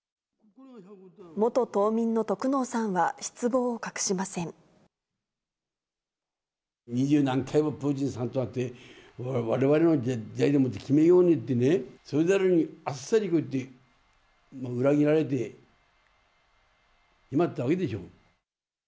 元島民の得能さんは失望を隠二十何回もプーチンさんと会って、われわれの時代でもって決めようねってね、それなのに、あっさりこうやって裏切られてしまったわけでしょう。